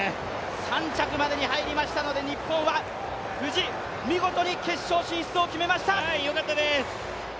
３着までに入りましたので日本は無事、見事に決勝進出を決めましたよかったです。